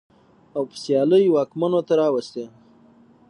او په سيالۍ واکمنو ته راوستې.